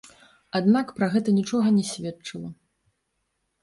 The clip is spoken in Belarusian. Аднак пра гэта нічога не сведчыла.